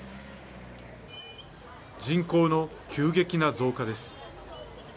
人口の急激な増加です。